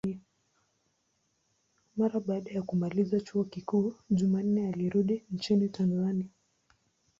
Mara baada ya kumaliza chuo kikuu, Jumanne alirudi nchini Tanzania.